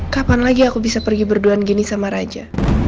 kapan lagi aku bisa pergi berduaan gini sama raja